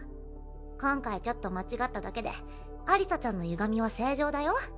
今回ちょっと間違っただけでアリサちゃんのゆがみは正常だよ。